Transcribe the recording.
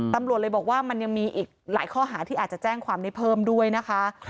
ตำรวจเลยบอกว่ามันยังมีอีกหลายข้อหาที่อาจจะแจ้งความได้เพิ่มด้วยนะคะ